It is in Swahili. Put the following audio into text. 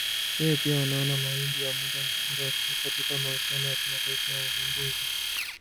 Yeye pia wanaona mawimbi ya muda mrefu katika mahusiano ya kimataifa ya uvumbuzi.